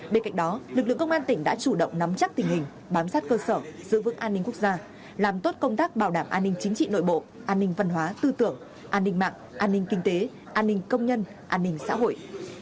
bên cạnh đó lực lượng công an tỉnh đã chủ động nắm chắc tình hình bám sát cơ sở giữ vững an ninh quốc gia làm tốt công tác bảo đảm an ninh chính trị nội bộ an ninh văn hóa tư tưởng an ninh mạng an ninh kinh tế an ninh công nhân an ninh xã hội